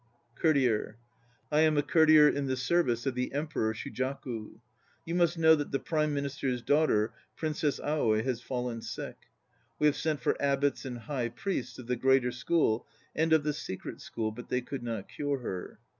COURTIER. I am a courtier in the service of the Emperor Shujaku. You must know that the Prime Minister's daughter, Princess Aoi, has fallen We have sent for abbots and high priests of the Greater School and of the Secret School, but they could not cure her.